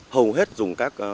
hầu hết dùng các